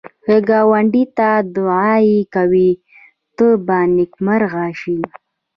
که ګاونډي ته دعایې کوې، ته به نېکمرغه شې